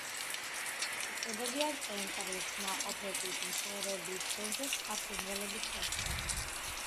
იკვებებიან კენკრით, ნაყოფებით, მწერებით, ზოგჯერ სხვა ფრინველების კვერცხებით.